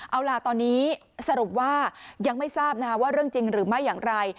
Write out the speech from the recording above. เอาล่ะตอนนี้สรุปว่ายังไม่ทราบว่าเรื่องจริงหรือไม่อย่างไร